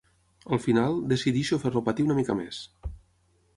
Al final, decideixo fer-lo patir una mica més.